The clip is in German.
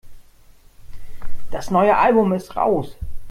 Das neue Album ist raus.